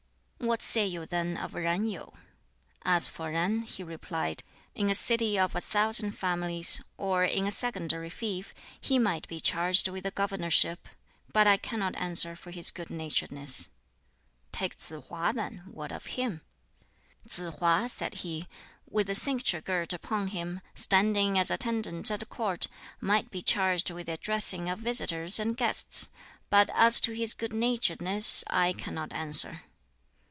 "What say you then of Yen Yu?" "As for Yen," he replied, "in a city of a thousand families, or in a secondary fief, he might be charged with the governorship; but I cannot answer for his good naturedness." "Take Tsz hwa, then; what of him?" "Tsz hwa," said he, "with a cincture girt upon him, standing as attendant at Court, might be charged with the addressing of visitors and guests; but as to his good naturedness I cannot answer."